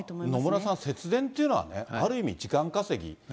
野村さん、節電っていうのはね、ある意味、時間稼ぎ。